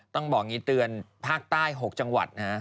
ต้องบอกอย่างนี้เตือนภาคใต้๖จังหวัดนะฮะ